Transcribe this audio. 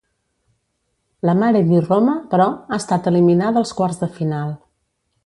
La Mare di Roma, però, ha estat eliminada als quarts de final.